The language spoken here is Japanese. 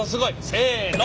せの。